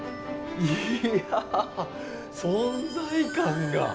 いや存在感が。